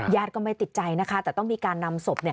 ก็ไม่ติดใจนะคะแต่ต้องมีการนำศพ